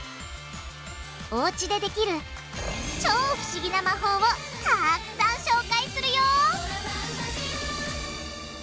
おうちでできる超不思議な魔法をたくさん紹介するよ！